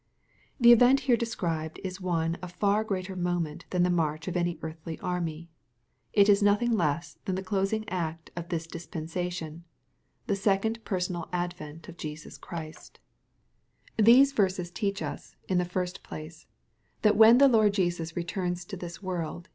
The event here described is one of far greater moment than the march of any earthly army. It is nothing less than the closing act of this dispensation, the second personal advent of Jesus Christ. 14* 322 XXPOSITOBT THOUGHTS. Tkese yersee teach us, in the first place, (hat when the Lord Jesus returns to this world.